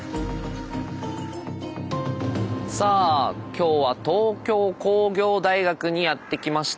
さあ今日は東京工業大学にやって来ました。